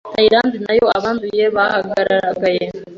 Thailand nayo abanduye bahagaragaye